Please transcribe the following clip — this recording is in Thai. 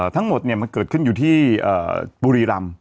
ทั้งหมดมันเกิดขึ้นอยู่ที่บุรีรำ